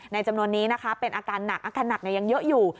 จำนวนนี้นะคะเป็นอาการหนักอาการหนักยังเยอะอยู่